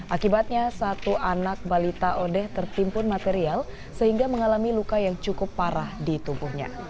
akibatnya satu anak balita odeh tertimpun material sehingga mengalami luka yang cukup parah di tubuhnya